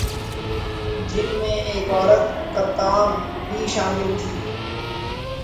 "جن میں ایک عورت "قطام" بھی شامل تھی"